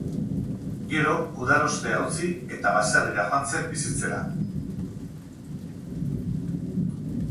Gero gudarostea utzi eta baserrira joan zen bizitzera.